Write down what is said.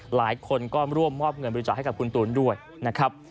หลายคนก็ร่วมมอบเงินบริจาคให้กับคุณตูนด้วยนะครับ